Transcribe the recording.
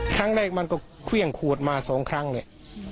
ครั้งแรกมันก็เครื่องขวดมาสองครั้งเนี่ย